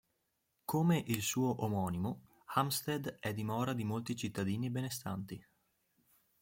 Come il suo omonimo, Hampstead è dimora di molti cittadini benestanti.